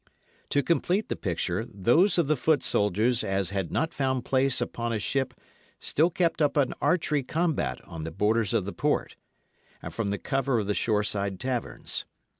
To complete the picture, those of the foot soldiers as had not found place upon a ship still kept up an archery combat on the borders of the port, and from the cover of the shoreside taverns.